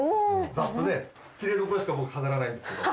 ザッとねきれいどころしか僕飾らないんですけど。